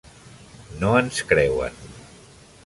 No ens creuen.